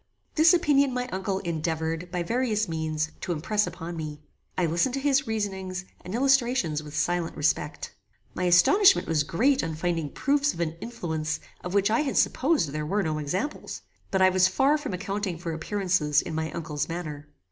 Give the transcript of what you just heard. This opinion my uncle endeavoured, by various means, to impress upon me. I listened to his reasonings and illustrations with silent respect. My astonishment was great on finding proofs of an influence of which I had supposed there were no examples; but I was far from accounting for appearances in my uncle's manner.